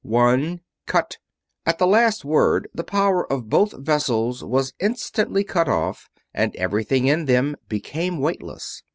One! CUT!" At the last word the power of both vessels was instantly cut off and everything in them became weightless.